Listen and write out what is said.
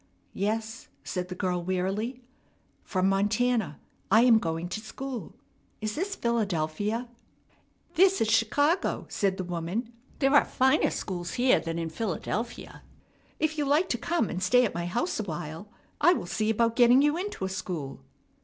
"Yes," said the girl wearily, "from Montana. I am going to school. Is this Philadelphia?" "This is Chicago," said the woman. "There are finer schools here than in Philadelphia. If you like to come and stay at my house awhile, I will see about getting you into a school."